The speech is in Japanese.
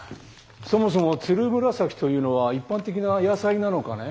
そもそもつるむらさきというのは一般的な野菜なのかね？